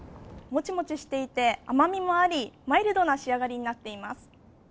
もちもちしていて甘みもありマイルドな仕上がりになっています。